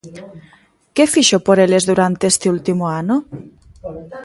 ¿Que fixo por eles durante este último ano?